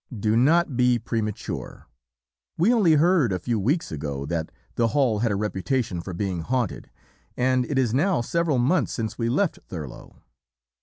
"Do not be premature! We only heard a few weeks ago that 'The Hall' had a reputation for being haunted, and it is now several months since we left Thurlow.